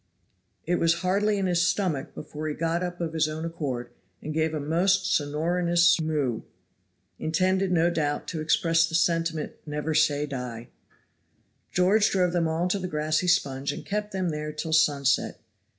It was hardly in his stomach before he got up of his own accord, and gave a most sonorous moo, intended no doubt to express the sentiment of "never say die." George drove them all to the grassy sponge, and kept them there till sunset.